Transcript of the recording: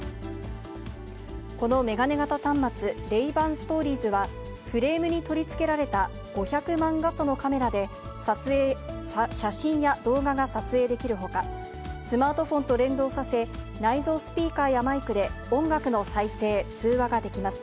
この眼鏡型端末、レイバン・ストーリーズは、フレームに取り付けられた５００万画素のカメラで、写真や動画が撮影できるほか、スマートフォンと連動させ、内臓スピーカーやマイクで、音楽の再生、通話ができます。